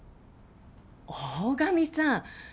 大神さん